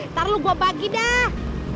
ntar lo gua bagi dah